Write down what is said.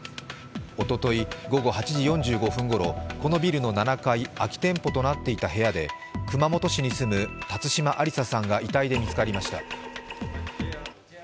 おととい、午後８時４５分ごろこのビルの７階空き店舗となっていた部屋で熊本市に住む辰島ありささんが遺体で見つかりました。